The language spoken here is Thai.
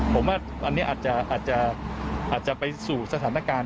ผมว่าอันนี้อาจจะไปสู่สถานการณ์